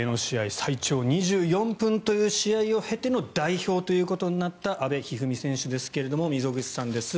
最長２４分という試合を経ての代表ということになった阿部一二三選手ですけど溝口さんです。